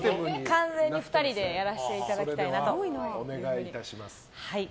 完全に２人でやらせていただきたいなと。